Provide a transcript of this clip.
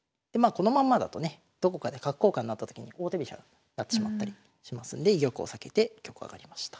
このままだとねどこかで角交換になったときに王手飛車になってしまったりしますんで居玉を避けて玉上がりました。